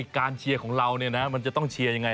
การเชียร์ของเราจะต้องเชียร์อย่างไร